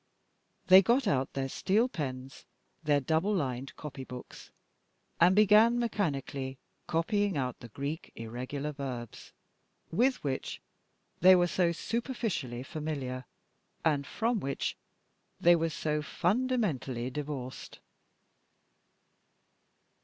They got out their steel pens, their double lined copy books, and began mechanically copying out the Greek irregular verbs, with which they were so superficially familiar, and from which they were so fundamentally divorced.